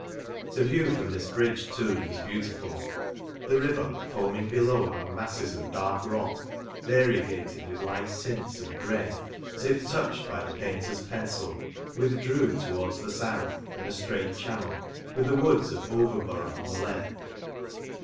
The view from this bridge, too, was beautiful. The river, foaming below among mafles of dark rock, variegated with ligllt tints of grey, as if touched by the painter's pencil, withdrew towards the fouth in a flraight channel, with the woods of Over borough on the left.